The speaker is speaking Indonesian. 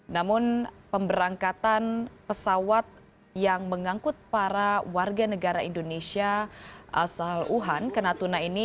namun pemberangkatan pesawat yang mengangkut para warga negara indonesia asal wuhan ke natuna ini